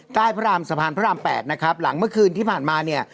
พระรามสะพานพระราม๘นะครับหลังเมื่อคืนที่ผ่านมาเนี่ย